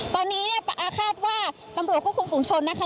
ตอนนี้เนี่ยคาดว่าตำรวจควบคุมฝุงชนนะคะ